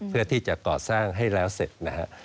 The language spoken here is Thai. เพื่อที่จะก่อสร้างให้แล้วเสร็จนะฮะ